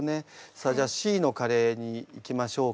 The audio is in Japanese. さあじゃあＣのカレーにいきましょうか。